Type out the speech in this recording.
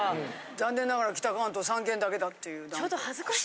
残念ながら北関東３県だけだっていう何か。